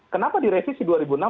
kenapa direvisi dua ribu enam belas